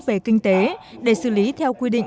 về kinh tế để xử lý theo quy định